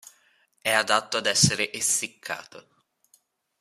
È adatto ad essere essiccato.